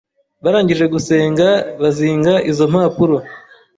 Barangije gusenga bazinga izo mpapuro